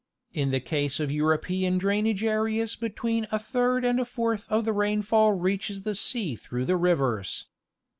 In the case of European drainage areas between a third and a fourth of the rainfall reaches the sea through the rivers.